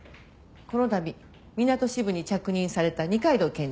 この度みなと支部に着任された二階堂検事。